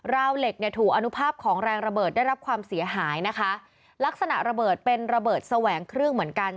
เหล็กเนี่ยถูกอนุภาพของแรงระเบิดได้รับความเสียหายนะคะลักษณะระเบิดเป็นระเบิดแสวงเครื่องเหมือนกัน